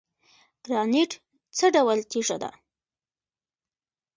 ګرانیټ څه ډول تیږه ده؟